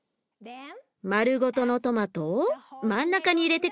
まるごとのトマトを真ん中に入れて下さい。